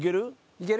いける？